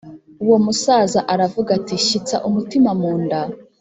Uwo musaza aravuga ati Shyitsa umutima munda